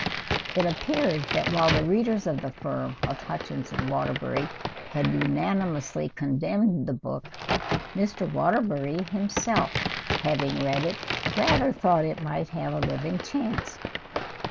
It appeared that while the readers of the firm of Hutchins & Waterbury had unanimously condemned the book, Mr. Waterbury, himself, having read it, rather thought it might have a living chance.